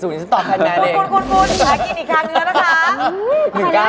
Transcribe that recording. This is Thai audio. อู้ใครเลข